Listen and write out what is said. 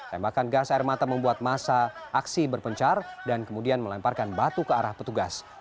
tembakan gas air mata membuat masa aksi berpencar dan kemudian melemparkan batu ke arah petugas